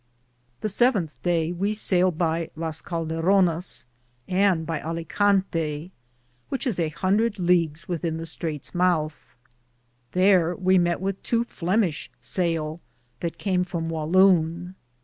The 7th daye we sailed by Caldaroune* and by Alligante, which is an hon drethe Leagues within the straites mouthe ; thare we mett with tow Flemishe sale that came from Talloune.